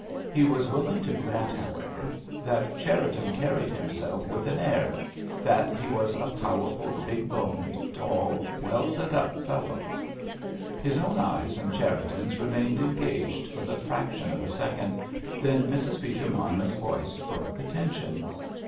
He was willing to grant, however, that Cherriton carried himself with an air, that he was a powerful, big boned, tall, well set up fellow. His own eyes and Cherriton's remained engaged for the fraction of a second, then Mrs. Beecher Monmouth's voice broke the tension.